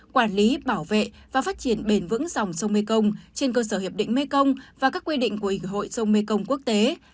quản lý bảo vệ và phát triển bền vững dòng sông mekong trên cơ sở hiệp định mekong và các quy định của ủy hội sông mekong quốc tế